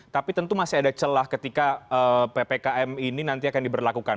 tapi tentu masih ada celah ketika ppkm ini nanti akan diberlakukan